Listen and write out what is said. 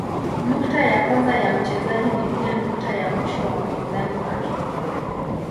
Nukta ya kwanza ya mchezaji ni pia nukta ya mwisho wa mpinzani wake.